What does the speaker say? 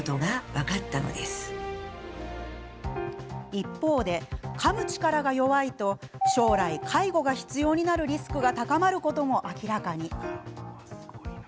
一方で、かむ力が弱いと将来、介護が必要になるリスクが高まることも明らかに。